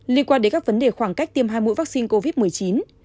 liên quan đến các vấn đề khoảng cách tiêm hai mũi vaccine covid một mươi chín